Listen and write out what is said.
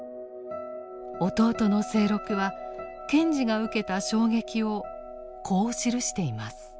弟の清六は賢治が受けた衝撃をこう記しています。